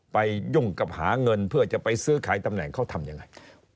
ยุ่งกับหาเงินเพื่อจะไปซื้อขายตำแหน่งเขาทำยังไง